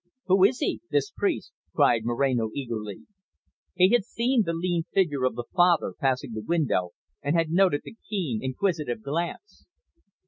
"Who is he, this priest?" cried Moreno eagerly. He had seen the lean figure of the father passing the window, and had noted the keen, inquisitive glance.